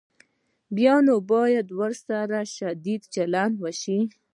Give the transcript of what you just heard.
بیا نو باید ورسره شدید چلند وشي.